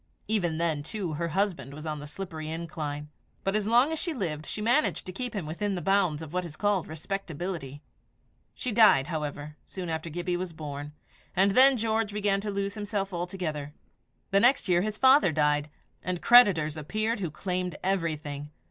Even then, too, her husband was on the slippery incline; but as long as she lived, she managed to keep him within the bounds of what is called respectability. She died, however, soon after Gibbie was born; and then George began to lose himself altogether. The next year his father died, and creditors appeared who claimed everything.